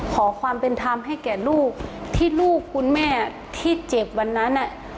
ขอความเป็นธรรมให้แก่ลูกที่ลูกคุณแม่ที่เจ็บวันนั้น